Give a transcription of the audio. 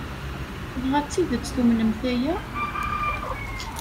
Dɣa d tidet tumnemt aya?